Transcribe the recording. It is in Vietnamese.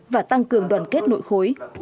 và tăng cường đoàn kết nội khối